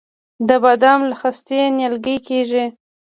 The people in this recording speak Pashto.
د بادام له خستې نیالګی کیږي؟